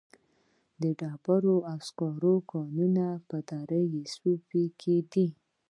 د ډبرو سکرو کانونه په دره صوف کې دي